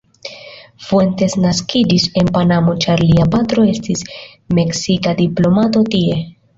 Fuentes naskiĝis en Panamo ĉar lia patro estis meksika diplomato tie.